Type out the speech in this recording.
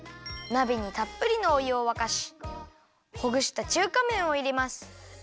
なべにたっぷりのおゆをわかしほぐした中華めんをいれます！